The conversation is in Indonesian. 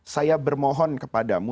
saya bermohon kepadamu